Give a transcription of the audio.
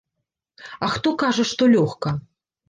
А хто кажа, што лёгка?